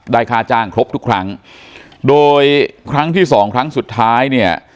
ได้ค่าจ้างครบทุกครั้งโดยครั้งที่๒ครั้งสุดท้าย